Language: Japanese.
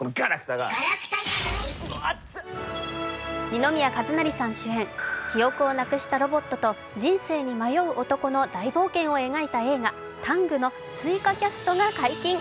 二宮和也さん主演、記憶をなくしたロボットと人生に迷う男の大冒険を描いた映画、「ＴＡＮＧタング」の追加キャストが解禁。